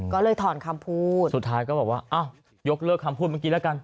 ก็เลยถอนคำพูดสุดท้ายก็บอกว่าอ้าวยกเลิกคำพูดเมื่อกี้แล้วกัน